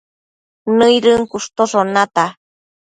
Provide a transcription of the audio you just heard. nëidën cushtoshon nata